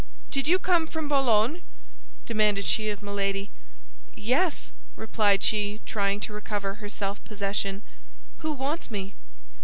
"Did you come from Boulogne?" demanded she of Milady. "Yes," replied she, trying to recover her self possession. "Who wants me?"